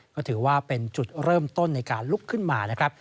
ก็ถือว่าเป็นจุดเริ่มต้นในการลุกขึ้นมานะครับ